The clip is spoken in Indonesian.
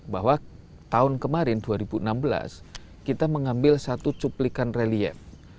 bahwa tahun kemarin dua ribu enam belas kita mengambil satu cuplikan relief